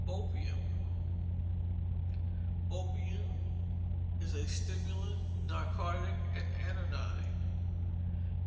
Opium Opium is a stimulant, narcotic, and anodyne.